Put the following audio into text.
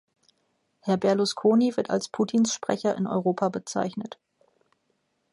Herr Berlusconi wird als Putins Sprecher in Europa bezeichnet.